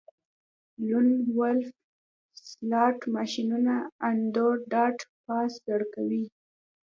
لون وولف سلاټ ماشینونه انډریو ډاټ باس زګیروی وکړ